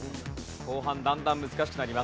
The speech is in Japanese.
後半だんだん難しくなります。